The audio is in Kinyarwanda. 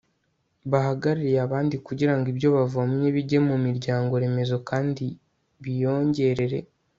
bahagarariye abandi kugira ngo ibyo bavomye bijye mu miryango remezo kandi biyongerere